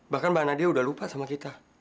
bahkan mbak nadia sudah lupa sama kita